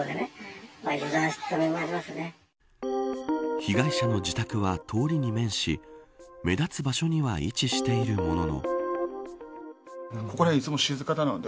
被害者の自宅は通りに面し目立つ場所には位置しているものの。